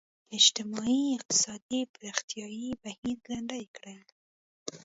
اجتماعي اقتصادي پرمختیايي بهیر ګړندی کړي.